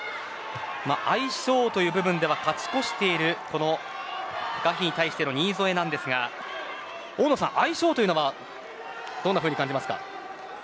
相性という部分では勝ち越しているガヒーに対しての新添ですが相性というのはどういうふうに感じますか。